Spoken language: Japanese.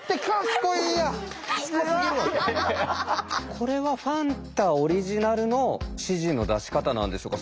これはファンタオリジナルの指示の出し方なんでしょうか？